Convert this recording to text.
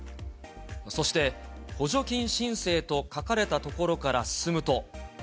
そして、補助金申請と書かれた所から進むと。